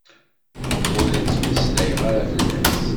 Ur la ttmeslayeɣ ara fell-as.